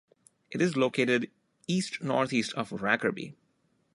It is located east-northeast of Rackerby.